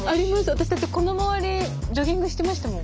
私だってこの周りジョギングしてましたもん。